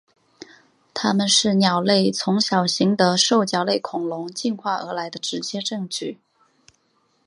它们是鸟类从小型的兽脚类恐龙进化而来的直接证据。